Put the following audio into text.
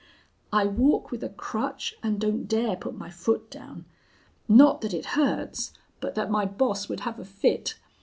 I walk with a crutch, and don't dare put my foot down. Not that it hurts, but that my boss would have a fit!